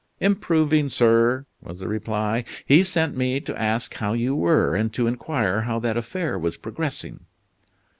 "Improving, sir," was the reply. "He sent me to ask how you were, and to inquire how that affair was progressing?"